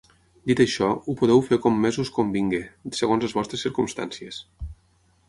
Dit això, ho podeu fer com més us convingui segons les vostres circumstàncies.